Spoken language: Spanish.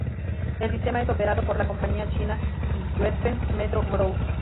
El sistema es operado por la compañía china Shenzhen Metro Group.